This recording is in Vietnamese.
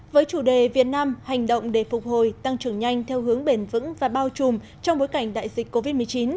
với chủ đề việt nam hành động để phục hồi tăng trưởng nhanh theo hướng bền vững và bao trùm trong bối cảnh đại dịch covid một mươi chín